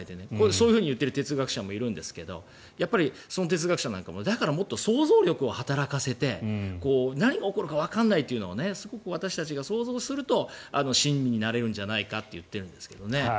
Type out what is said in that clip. そういうふうに言っている哲学者もいるんですけどやっぱり、その哲学者なんかももっと想像力を働かせて何が起こるかわからないというのをすごく私たちが想像をすると親身になれるんじゃないかと言っているんですけどね。